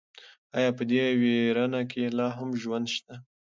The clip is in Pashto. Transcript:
ایا په دې ویرانه کې لا هم ژوند شته؟